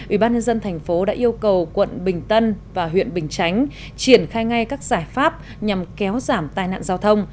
ubnd tp đã yêu cầu quận bình tân và huyện bình chánh triển khai ngay các giải pháp nhằm kéo giảm tai nạn giao thông